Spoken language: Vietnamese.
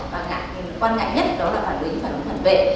và quan ngại nhất đó là phản ứng phản ứng phản vệ